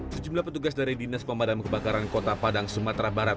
sejumlah petugas dari dinas pemadam kebakaran kota padang sumatera barat